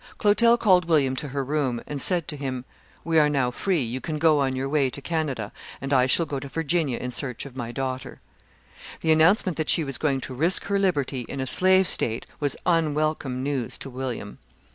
Clotel called William to her room, and said to him, "We are now free, you can go on your way to Canada, and I shall go to Virginia in search of my daughter." The announcement that she was going to risk her liberty in a Slave State was unwelcome news to William.